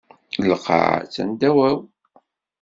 Lqaɛa attan ddaw-aw.